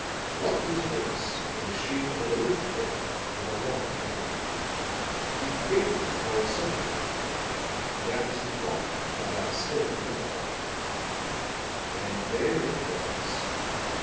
"'Luck was with us in the shape of an old clerk with a long memory. He faintly recalled something of the man, and after some talk got out still another book. And there it was!